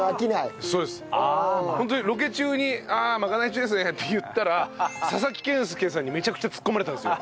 ホントにロケ中に「ああまかない中ですね」って言ったら佐々木健介さんにめちゃくちゃツッコまれたんですよ。